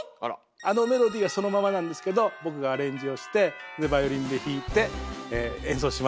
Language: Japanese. あのメロディーはそのままなんですけど僕がアレンジをしてでバイオリンで弾いて演奏します。